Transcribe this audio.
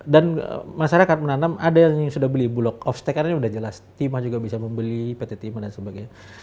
dan masyarakat menanam ada yang sudah beli bulog offstack karena sudah jelas timah juga bisa membeli pt timah dan sebagainya